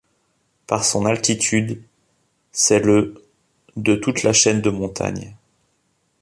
Par son altitude, c'est le de toute la chaîne de montagnes.